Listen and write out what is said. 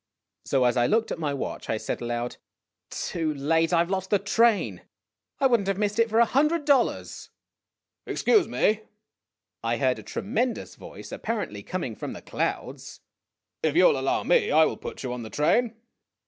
So, as I looked at my watch, I said aloud : "Too late! I have lost the train! I would n't have missed it for a hundred dollars !'" Excuse me !' I heard a tremendous voice apparently coming from the clouds ;" if you will allow me, I will put you on the train